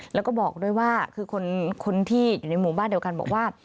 แล้วก็บอกด้วยว่าคือคนที่อยู่ในหมู่บ้านเดียวกันบอกว่า